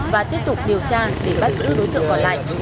và tiếp tục điều tra để bắt giữ đối tượng còn lại